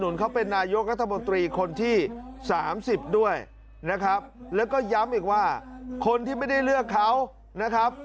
แล้วก็ย้ำอีกว่าคนที่ไม่ได้เลือกเขานะครับ